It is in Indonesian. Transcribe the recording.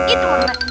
itu mah ganteng